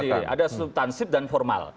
ada dua ada subtansif dan formal